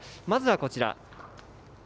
まずはこちら。